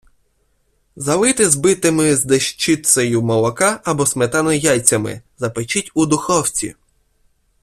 Залийте збитими з дещицею молока або сметани яйцями, запечіть у духовці.